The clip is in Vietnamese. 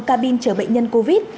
cabin chở bệnh nhân covid